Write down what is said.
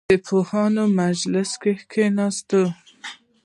د پوهانو په مجلس کې کښېنئ.